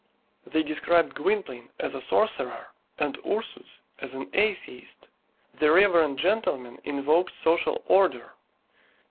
They described Gwynplaine as a sorcerer, and Ursus as an atheist. The reverend gentlemen invoked social order.